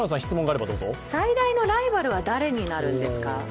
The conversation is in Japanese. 最大のライバルは誰になるんですか？